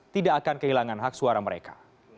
tidak akan kehilangan hak suara mereka